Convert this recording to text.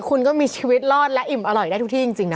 คุณก็มีชีวิตรอดและอิ่มอร่อยได้ทุกที่จริงนะ